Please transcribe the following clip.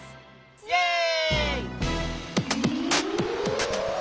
イエーイ！